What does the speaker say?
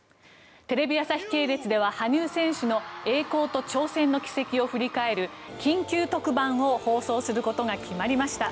テレビ朝日系列では羽生選手の栄光と挑戦の軌跡を振り返る緊急特番を放送することが決まりました。